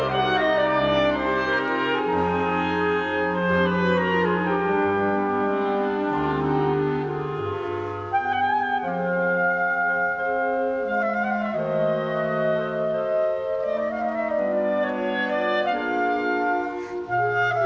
โปรดติดตามต่อไป